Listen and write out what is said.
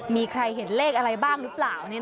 มีใครเห็นเลขอะไรบ้างหรือเปล่า